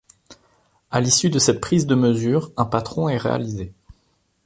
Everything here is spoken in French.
À l'issue de cette prise de mesure, un patron est réalisé.